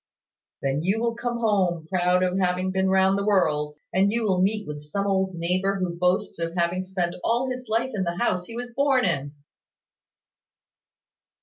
"Then you will come home, proud of having been round the world; and you will meet with some old neighbour who boasts of having spent all his life in the house he was born in."